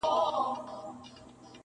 دمستانو په جامونو -